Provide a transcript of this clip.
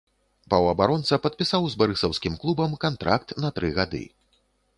Паўабаронца падпісаў з барысаўскім клубам кантракт на тры гады.